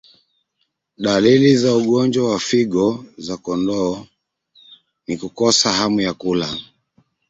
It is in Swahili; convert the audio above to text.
Dalili za ugonjwa wa figo za kondoo ni kukosa hamu ya kula